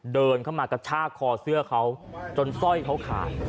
เดินเข้ามากระชากคอเสื้อเขาจนสร้อยเขาขาด